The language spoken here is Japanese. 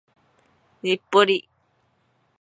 日暮里